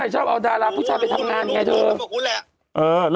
ชอบเอาดาราพุชาไปทำงานไงเถอะ